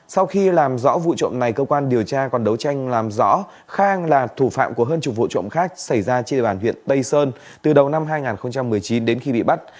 sau khi làm rõ vụ trộm này cơ quan điều tra còn đấu tranh làm rõ khang là thủ phạm của hơn chục vụ trộm khác xảy ra trên địa bàn huyện tây sơn từ đầu năm hai nghìn một mươi chín đến khi bị bắt